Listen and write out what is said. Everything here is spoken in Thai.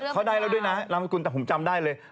เขาได้แล้วด้วยนะนามสกุลแต่ผมจำได้เลย